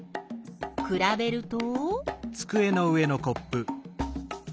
くらべると？